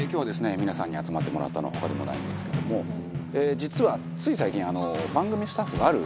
皆さんに集まってもらったのは他でもないんですけども実はつい最近。